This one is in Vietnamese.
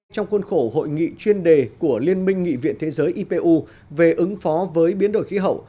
trong khuôn khổ hội nghị chuyên đề của liên minh nghị viện thế giới ipu về ứng phó với biến đổi khí hậu